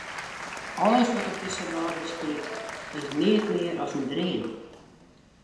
Alles wat op dizze wrâld bestiet, is neat mear as in dream.